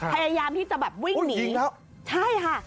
พยายามที่จะแบบวิ่งหนีใช่ค่ะ